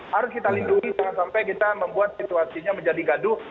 harus kita lindungi jangan sampai kita membuat situasinya menjadi gaduh